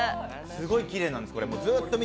すごいきれいです。